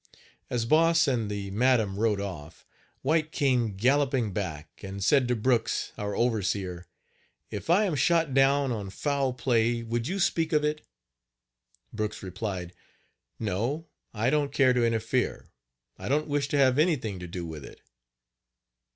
As Boss and the madam rode off, White came galloping back, and said to Brooks, our overseer: "If I am shot down on foul play would you speak of it?" Brooks replied: "No, I don't care to interfere I don't wish to have anything to do with it."